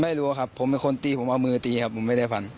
ไม่รู้ครับผมเป็นคนตีผมเอามือตีครับผมไม่ได้ฟัน